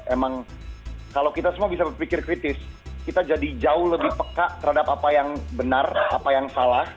emang kalau kita semua bisa berpikir kritis kita jadi jauh lebih peka terhadap apa yang benar apa yang salah